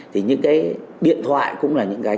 thì những điện thoại cũng là những cái